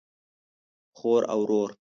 خور او ورور